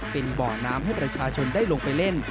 เป็นบ่อน้ำให้ประชาชนได้ลงไปเล่น